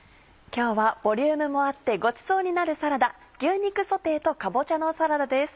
今日はボリュームもあってごちそうになるサラダ「牛肉ソテーとかぼちゃのサラダ」です。